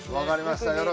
わかりました。